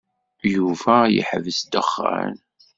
Yuba yeḥbes ddexxan.